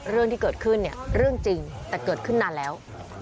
เรื่องที่เกิดขึ้นเนี่ยเรื่องจริงแต่เกิดขึ้นนานแล้ว